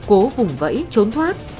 cố vùng vẫy trốn thoát